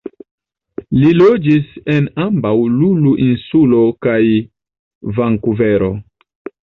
Li loĝis en ambaŭ Lulu-insulo kaj Vankuvero.